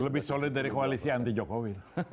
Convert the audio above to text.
lebih solid dari koalisi anti jokowi